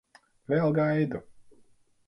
Vēl gaidu.